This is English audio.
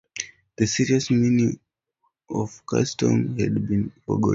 The serious meaning of the custom had been forgotten.